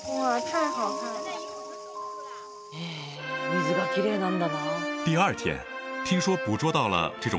水がきれいなんだな。